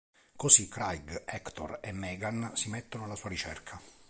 Così Craig, Hector e Megan si mettono alla sua ricerca.